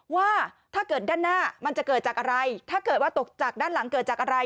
ว่าถ้าเกิดด้านหน้ามันจะเกิดจากอะไรถ้าเกิดว่าตกจากด้านหลังเกิดจากอะไร